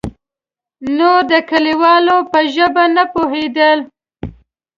نور د کليوالو په ژبه نه پوهېدل.